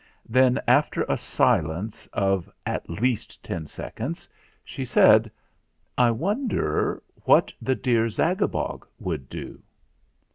Then, after a silence of 'at least ten seconds, she said: "I wonder what the dear Zagabog would do?"